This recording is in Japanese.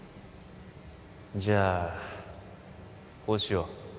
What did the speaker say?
じゃこうしよう